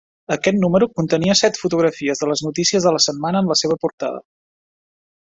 Aquest número contenia set fotografies de les notícies de la setmana en la seva portada.